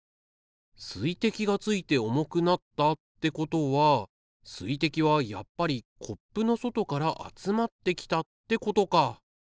水滴がついて重くなったってことは水滴はやっぱりコップの外から集まってきたってことか。